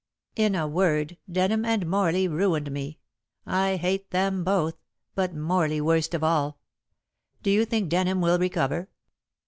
In a word, Denham and Morley ruined me. I hate them both, but Morley worst of all. Do you think Denham will recover?"